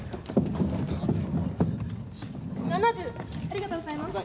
ありがとうございます。